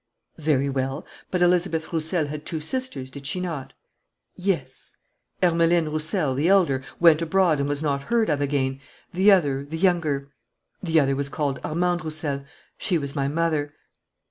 "Very well. But Elizabeth Roussel had two sisters, did she not?" "Yes." "Ermeline Roussel, the elder, went abroad and was not heard of again. The other, the younger " "The other was called Armande Roussel. She was my mother."